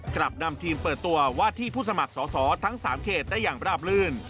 กลับนำทีมเปิดตัวว่าที่ผู้สมัครสอสอทั้ง๓เขตได้อย่างราบลื่น